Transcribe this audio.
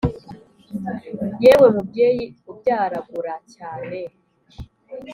yewe mubyeyi ubyaragura cyane